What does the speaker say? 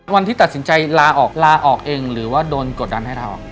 วันที่ตัดสินใจลาออกลาออกเองหรือว่าโดนกดดันให้เรา